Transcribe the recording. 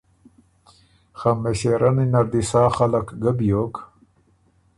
خه مِݭېرنی نر دی سا خلق ګه بیوک